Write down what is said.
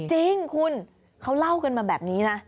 จริงคุณเขาเล่ากันมาแบบนี้นะ